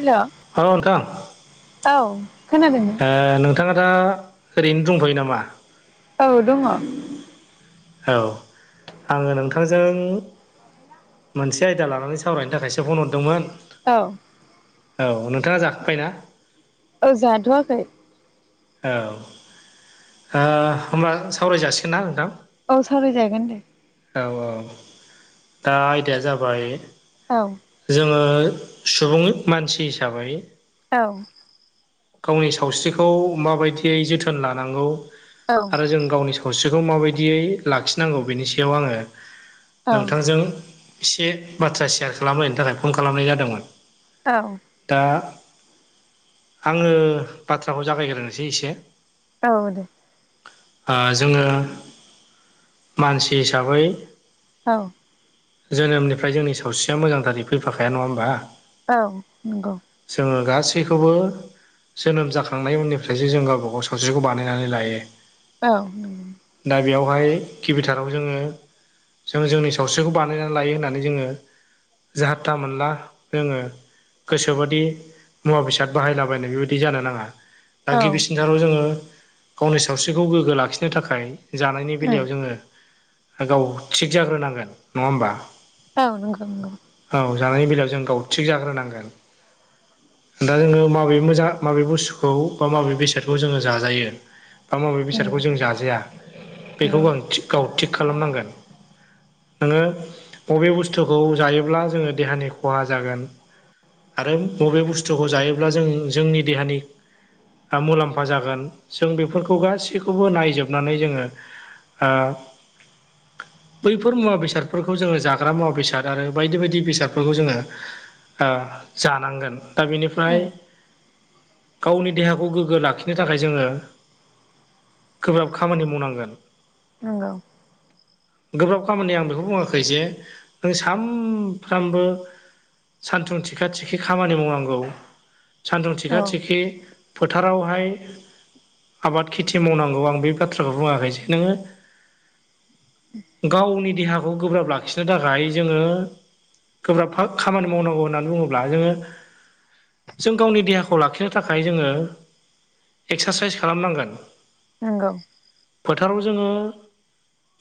हेल' औ नोंथां औ खोनादों नों नोंथाङा दा ओरैनो दंफायो नामा? औ दङ औ आङो नोंथांजों मोनसे आयदा लानानै सावरायनो थाखायसो फन हरदोंमोन औ औ नोंथाङा जाखांबाय ना? औ जाथ'वाखै औ होनब्ला सावराय जासिगोन ना नोंथां? औ सावराय जायगोन दे औ औ दा आयदाया जाबाय औ जोङो सुबुं मानसि हिसाबै औ गावनि सावस्रिखौ माबायदियै जोथोन लानांगौ औ आरो जों गावनि सावस्रिखौ माबायदियै लाखिनांगौ बेनि सायाव आङो औ नोंथांजों एसे बाथ्रा सेयार खालामहनि थाखाय फन खालामनाय जादोंमोन औ दा आङो बाथ्राखौ जागायग्रोसै एसे औ दे ओ जोङो मानसि हिसाबै औ जोनोमनिफ्राय जोंनि सावस्रिया मोजांथारै फैफाखाया नङा होनोमबा? औ नंगौ जोङो गासैखौबो जोनोम जाखांनायनि उननि फ्रायसो जों गावबा गाव सावस्रिखौ बानायनानै लायो औ दा बेयावहाय गिबिथाराव जोङो जों जोंनि सावस्रिखौ बानायनानै लायो होननानै जोङो जाहाथ था मोनला जोङो गोसोबादि मुवा बेसाद बाहायलाबायनाय बेबायदि जानो नाङा दा औ गिबिसिनथाराव जोङो गावनि सावस्रिखौ गोग्गो लाखिनो थाखाय जानायनि उम बेलायाव जोङो गाव थिग जाग्रोनांगोन नङा होमबा? औ नंगौ नंगौ औ जानायनि बेलायाव जों गाव थिग जाग्रोनांगोन दा जोङो माबे मोजा माबे बुस्थुखौ बा माबे बेसादखौ जोङो जाजायो बा माबे बेसादखौ जों जाजाया बेखौ नंगौ आं थि गाव थिग खालामनांगोन नोङो बबे बुस्थुखौ जायोब्ला जोङो देहानि खहा जागोन आरो बबे बुस्थुखौ जायोब्ला जों जोंनि देहानि फा मुलाम्फा जागोन जों बेफोरखौ गासैखौबो नायजोबनानै जोङो आ बैफोर मुवा बेसादफोरखौ जोङो जाग्रा मुवा बेसाद आरो बायदि बायदि बेसादफोरखौ जोङो आ जानांगोन दा बेनिफ्राय नंगौ गावनि देहाख खौ गोग्गो लाखिनो थाखाय जोङो, गोब्राब खामानि मावनांगोन। नंगौ। [inaudible] गोब्राब खामानि आं बेखौ बुङाखै जे नों सानफ्रामबो सान्थुं थिखा थिखि खामानि मावनांगौ। सान्दुं उम नंगौ थिखा औ थिखि फोथारावहाय आबाद खेथि मावनांगौ आं बे बाथ्राखौ बुङाखै जे नोङो गावनि देहाखौ गोब्राब लाखिनो थाखाय जोङो गोब्राब हो खामानि मावनांगौ होननानै बुङोब्ला जोङो जों गावनि देहाखौ लाखिनो थाखाय जोङो एक्सा सायस खालाम नांगोन। नंगौ। फोथाराव जोङो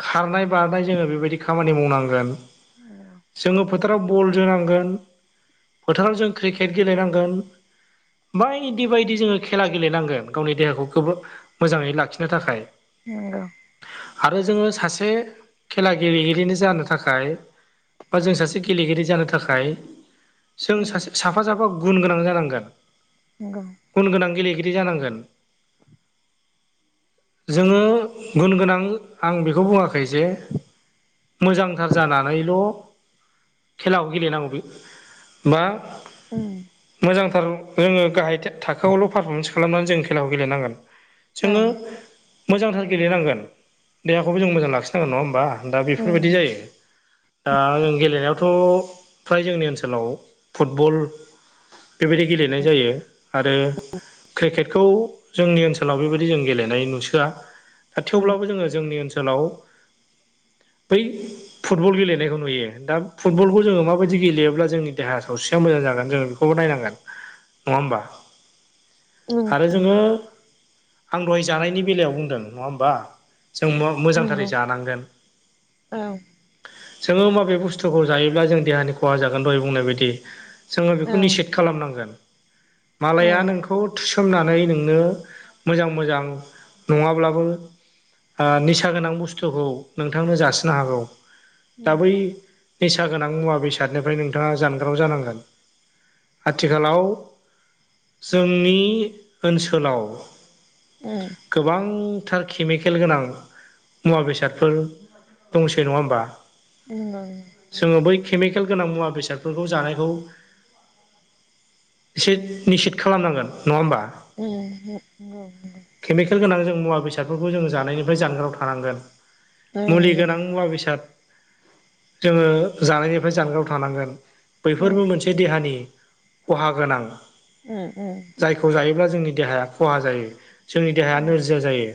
खारनाय बारनाय जोङो बेबायदि खामानि मावनांगोन। जोङो फोथाराव बल जोनांगोन। फोथाराव जों क्रिकेट गेलेनांगोन। बायदि बायदि जोङो खेला गेलेनांगोन गावनि देहाखोखौबो मोजाङै लाखिनो थाखाय। नोंगौ। आरो जोङो सासे खेला गेलेगिरिनि जानो थाखाय बा जों सासे गेलेगिरि जानो थाखाय जों उम सासे साफा साफा गुन गोनां जानांगोन। नंगौ गुन गोनां गेलेगिरि जानांगोन। जोङो गुन गोनां आं बेखौ बुङाखै जे मोजांथार जानानैल' खेलाखौ गेलेनांगौ बे बा उम मोजांथार जोङो गाहाय था-थाखोआवल' पारफरमेन्स खालामनानै जों खेलाखौ गेलेनांगोन। औ जोङो मोजांथार गेलेनांगोन देहाखौबो जों मोजां लाखिनांगोन नङा होमबा? दा बेफोरबायदि उम जायो। दा आं गेलेनायावथ' फ्राय जोंनि ओनसोलाव फुट बल बेबायदि गेलेनाय जायो। आरो क्रिकेटखौ जोंनि ओनसोलाव बेबायदि जों गेलेनाय नुसोआ। दा उम थेवब्लाबो जोङो जोंनि ओनसोलाव बै फुटबल गेलेनायखौ नुयो। दा फुटबलखौ जोङो माबायदि गेलेयोब्ला जोंनि देहाया सावस्रिया मोजां जागोन। जोङो खौबो नायनांगोन नङा होमबा? आरो उम जोङो आं दहाय जानायनि बेलायाव बुंदों। नङा होमबा? जों मुवा मोजांथारै नंगौ जानांगोन। औ जोङो माबे बुस्थुखौ जायोब्ला जों देहानि खहा जागोन दहाय बुंनाय बायदि जोङो औ बेखौ निसिथ खालामनांगोन। औ मालाया नोंख खौ थुसोमनानै नोंनो मोजां मोजां नङा ब्लाबो आ निसा गोनां बुस्थुखौ नोंथांनो जासिनो हागौ। दा उम बै निसा गोनां मुवा बेसादनिफ्राय नोंथाङा जानगाराव जानांगोन। आथिखालाव जोंनि ओनसोलाव उम गोबांथार केमिकेल गोनां मुवा बेसादफोर दंसै नङा होमबा? उम ओं जोङो बै केमिकेल गोनां मुवा बेसादफोरखौ जानायखौ एसे निसित खालामनांगोन नङा होमबा ओम होम नोंगौ नोंगौ केमिकेल गोनां जों मुवा बेसादफोरखौ जों जानायनिफ्राय जानगाराव थानांगोन मुलि गोनां मुवा बेसाद जोङो जानायनिफ्राय जानगाराव थानांगोन बैफोरबो मोनसे देहानि खहा गोनां ओम ओम जायखौ जायोब्ला जोंनि देहाया खहा जायो जोंनि देहाया नोरजिया जायो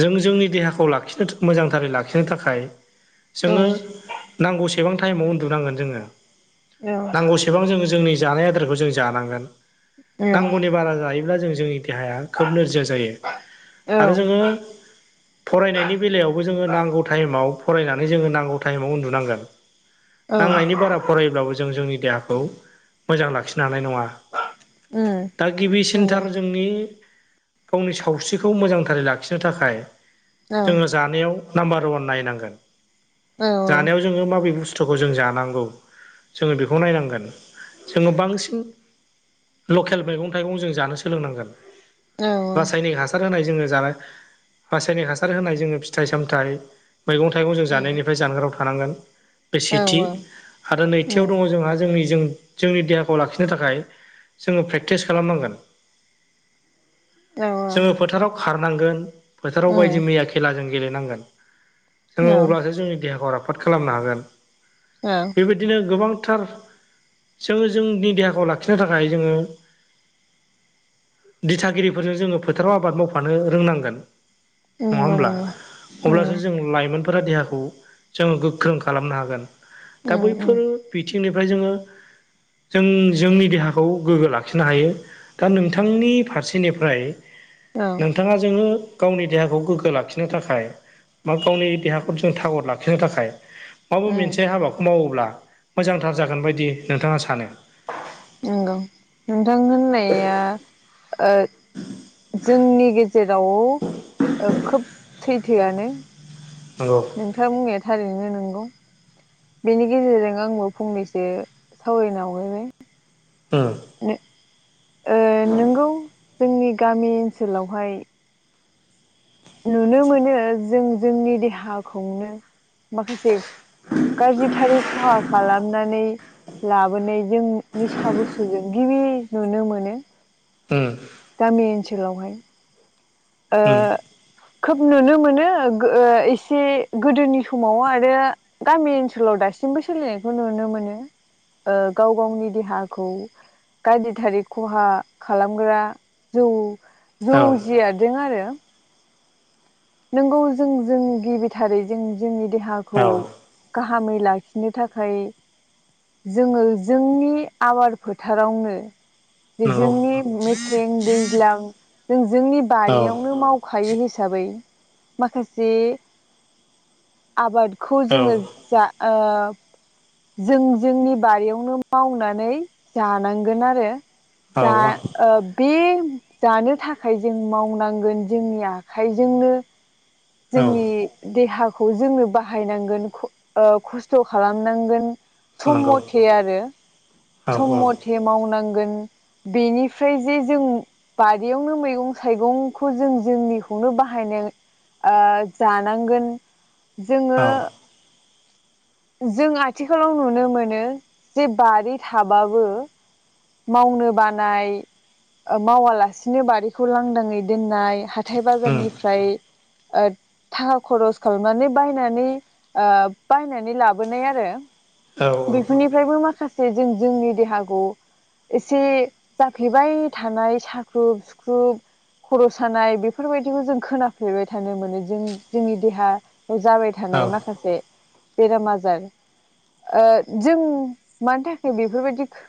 जों जोंनि देहाखौ लाखिनो मोजांथारै लाखिनो थाखाय जोङो नांगौसेबां टाइमाव उन्दुनांगोन जोङो नांगौसे सेबां जों जोंनि जानाय आदारखौ जों जानांगोन नांगौनि बारा जायोब्ला जों जोंनि देहाया खोब नोरजिया जायो आरो जोङो फरायनायनि बेलायावबो जोङो नांगौ टाइमाव फरायनानै जोङो नांगौ टाइमाव उन्दुनांगोन नांनायनि बारा फरायोब्लाबो जों जोंनि देहाखौ मोजां लाखिनो हानाय नङा दा गिबिसिनथार जों नि गावनि सावस्रिखौ मोजांथारै लाखिनो थाखाय जोङो जानायाव नाम्बार उवान नायनांगोन जानायाव जोङो माबे बुस स्थुखौ जों जानांगौ जोङो बेखौ नायनांगोन जोङो बांसिन लकेल मैगं थाइगं जों जानो सोलोंनांगोन रासायनिक हास हासार होनाय जोङो जानाय रासायनिक हासार होनाय जोङो फिथाइ सामथाय मैगं थाइगं जों जानायनिफ्राय जानगाराव थानांगोन बे सेथि आरो नैथियाव दङ जोंहा जोंनि जों जोंनि देहाखौ लाखिनो थाखाय जोङो प्रेक्टिस खालाम नांगोन जोङो फोथाराव खारनांगोन फोथाराव बायदि मैया खेला जों गेलेनांगोन जोङो अब्लासो जोंनि देहाखौ राफोद खालामनो हागोन [unintelligible] बेबायदिनो गोबांथार जोङो जोंनि देहाखौ लाखि लाखिनो थाखाय जोङो दिथागिरिफोरजों जोङो फोथाराव आबाद मावफानो रोंनांगोन नङा होमब्ला अब्लासो जों लाइमोन फोरा देहाखौ जोङो गोख्रों खालामनो हागोन दा बैफोरो बिथिंनिफ्राय जोङो जों जोंनि देहाखौ गोग्गो लाखिनो हायो दा नोंथांनि फारसेनिफ्राय बिथाङा जोंनो गावनि देहाखौ गोग्गो लाखिनो थाखाय [unintelligible] देहाखौ जों थागर लाखिनो थाखाय माबा मोनसे हाबाखौ मावोब्ला मोजांथार जागोन बायदि नोंथाङा सानो नंगौ नोंथां होननाया [unintelligible] जोंनि गेजेराव खोब सैथोआनो नंगौ नोंथाङा बुंनाया थारैनो नोंगौ बेनि गेजेरजों आंबो फंनैसो सावरायना [unintelligible] ओ नोंगौ जोंनि गामि ओनसोलावहाय नुनो मोनो जों जोंनि देहाखौनो माखासे गाज्रिथारै खहा खालामनानै लाबोनाय जों निसा बुस्सुजों गिबि नुनो मोनो [unintelligible] गामि ओनसोलावहाय ओ उम उम खोब नुनो मोनो ओ एसे गोदोनि समाव आरो गामि ओनसोलाव दासिमबो सोलिनायखौ नुनो मोनो गाव गावनि देहाखौ गाज्रि थारै खहा खालामग्रा जौ जौ औ जियादजों आरो नोंगौ जों जों गिबिथारै जों जोंनि देहाखौ औ गाहामै लाखिनो थाखाय जोङो जोंनि आबाद फोथारावनो जे नंगौ जोंनि मेसें दैज्लां जों जोंनि औ बारियावनो माव खायै हिसाबै माखासे आबादखौ औ जोङो जा ओ जों जोंनि बारियावनो मावनानै जानांगोन आरो जा औ ओ बे जानो थाखाय जों मावनांगोन जोंनि आखाइजोंनो जोंनि देहाखौ जोङो बाहायनांगोन ओ खस्थ' खालामनांगोन सम नंगौ मथे आरो औ सम औ मथे मावनांगोन बेनिफ्राय जे जों बारियावनो मैगं थाइगंखौ जों जोंनिखौनो बाहायनो ओ जानांगोन जोङो औ जों आथिखालाव नुनो मोनो जे बारि थाबाबो मावनो बानाय ओमावा उम ओद थाखा खरस खालामनानै बायनानै ओ बायनानै लाबोनाय आरो औ बेफोरनिफ्रायबो माखासे जों -जोंनि देहाखौ एसे जाफ्लेबाय थानाय साख्रुब -सुख्रुब खर' सानाय बेफोरबायदिखौ जों खोनाफ्लेबाय थानो मोनो जों -जोंनि देहा जाबाय औ थानाय माखासे बेराम आजार ओ जों मानि थाखाय बेफोरबायदि खो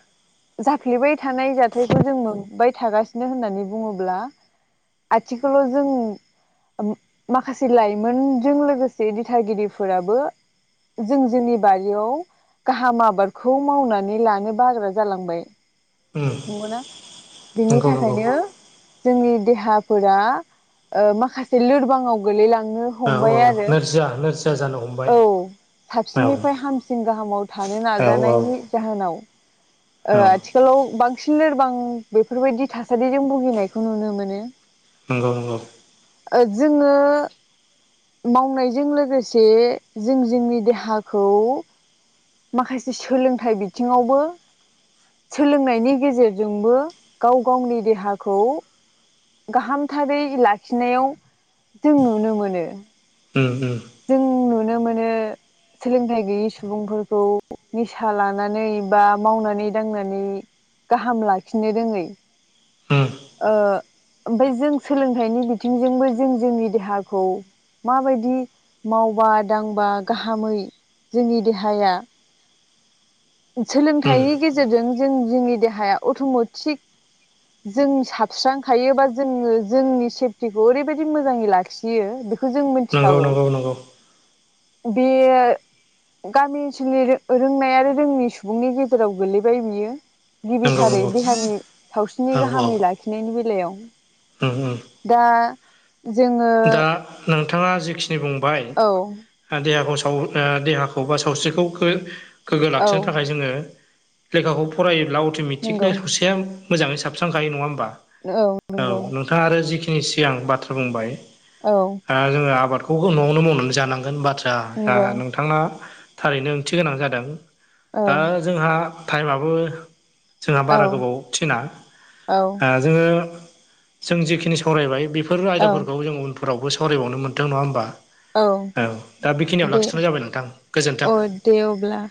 जाफ्लेबाय थानाय जाथायखौ जों मोनबाय थागासिनो होननानै बुङोब्ला आथिखालाव जों माखासे लाइमोनजों लोगोसे दिथागिरिफोराबो जों -जोंनि बारियाव गाहाम आबादखौ मावनानै लानो बाग्रा जालांबाय उम नंगौ ना बिनि नंगौ नंगौ थाखायनो जोंनि देहाफोरा ओ माखासे लोरबाङाव गोलैलाङो नो औ हमबाय आरो नोरजिया नोरजिया जानो हमबाय औ औ साबसिननिफ्राय हामसिन गाहामाव थानो औ औ नाजानायनि जाहोनाव ओ औ आथि आलाव बांसिन लोरबां बेफोरबायदि थासारिजों भुगिनायखौ नुनो मोनो नंगौ- नंगौ ओ जोङो मावनायजों लोगोसे जों -जोंनि देहाखौ माखासे सोलोंथाइ बिथिङावबो सोलोंनायनि गेजेरजोंबो गाव- गावनि देहाखौ गाहामथारै लाखिनायाव जों नुनो मोनो ओम- ओम जों नुनो मोनो सोलोंथाइ गैयि सुबुंफोरखौ निसा लानानै बा मावनानै दांनानै गाहाम लाखिनो रोङै उम ओ ओमफाय जों सोलोंथाइनि बिथिंजोंबो जों -जोंनि देहाखौ माबायदि मावबा- दांबा गाहामै जोंनि देहाया उम सोलोंथाइनि गेजेरजों जों - जोंनि देहाया अट'म'टिक जों साबस्रांखायो बा जोङो जोंनि सिटिखौ ओरैबायदि मोजाङै लाखियो बेखौ बेखौ जों नंगौ मोनथिखागौ नंगौ नंगौ बेयो गामि ओनसोलनि रोंनाय आरो रोङै सुबुंनि गेजेराव गोलैबाय बियो नंगौ गिबिथारै नंगौ देहानि सावस्रिनि गाहामै लाखिनायनि बेलायाव उम-उम दा जोङो दा नोंथाङा जेखिनि बुंबाय औ देहाखौ साव ओ देहाखौ बा सावस्रिखौ गोग्गो औ लाखिनो थाखाय जोङो लेखाखौ फरायोब्ला नंगौ अट'मेटिकनो सेम मोजाङै साबस्रांखायो नङा होमबा औ नंगौ औ नोंथाङा आरो जिखिनि सिगां बाथ्रा बुंबाय औ ओ जोङो आबादखौ न'आवनो मावनानै जानांगोन। बाथ्रायाआ नंगौ नोंथाङना थारैनो ओंथि गोनां जादों। औ दा जोंहा टाइमाबो जोंहा औ बारा गोबाव थिना औ ओ जोङो जों जिखिनि सावरायबाय बेफोर आयदाफोरखौ औ जों उनाव उनफोरावबो सावरायबावनो मोन्थों। नङा होमबा औ दा बेखिनियाव लाखिथ'नाय जाबाय नोंथां गोजोन्थों। दे‌ अब्ला